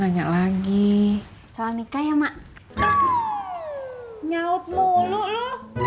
bunga lagi soal nikah ya mak nyaut mulu lu